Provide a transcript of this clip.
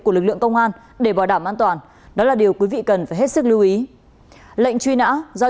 của lực lượng công an để bảo đảm an toàn đó là điều quý vị cần phải hết sức lưu ý lệnh truy nã do